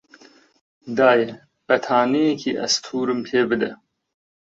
دایە، بەتانیێکی ئەستوورم پێ بدە.